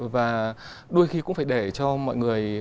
và đôi khi cũng phải để cho mọi người